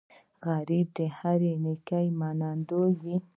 غریب د هرې نیکۍ منندوی وي